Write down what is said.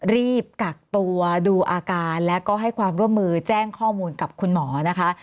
รีบกักตัวดูอาการแล้วก็ให้ความร่วมมือแจ้งข้อมูลกับคุณหมอนะคะ